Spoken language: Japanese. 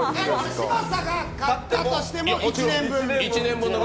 嶋佐が買ったとしても１年分？